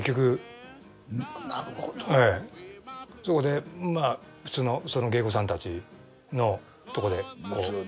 そこでまあ普通の芸妓さんたちのとこで。